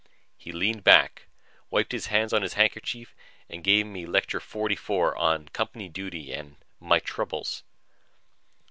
He leaned back, wiped his hands on his handkerchief and gave me Lecture Forty four on Company Duty and My Troubles.